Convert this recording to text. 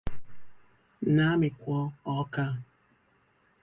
n'Amikwo Awka